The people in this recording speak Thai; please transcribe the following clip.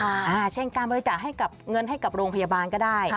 อย่างเช่นการบริจาคให้กับเงินให้กับโรงพยาบาลก็ได้